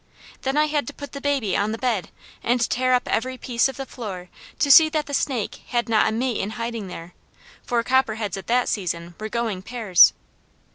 Then I had to put the baby on the bed and tear up every piece of the floor to see that the snake had not a mate in hiding there, for copperheads at that season were going pairs.